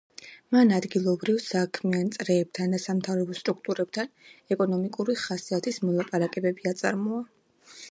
მან ადგილობრივ საქმიან წრეებთან და სამთავრობო სტრუქტურებთან ეკონომიკური ხასიათის მოლაპარაკებები აწარმოა.